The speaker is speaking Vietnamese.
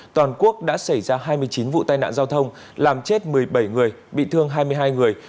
toàn quốc đã xảy ra hai mươi chín vụ tai nạn giao thông làm chết một mươi bảy người bị thương hai mươi hai người